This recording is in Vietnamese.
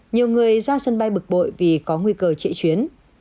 nhiều người ra sân bay bực bội vì có nguy cơ chạy chuyến